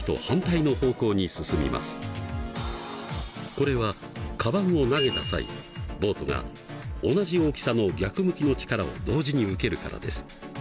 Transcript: これはカバンを投げた際ボートが同じ大きさの逆向きの力を同時に受けるからです。